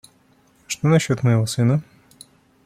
Что насчет моего сына?